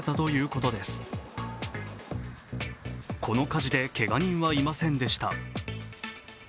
この火事で、けが人はいませんでした。